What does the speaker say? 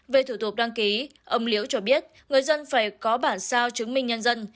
về thủ tục đăng ký ông liễu cho biết người dân phải có bản sao chứng minh nhân dân